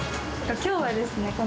今日はですね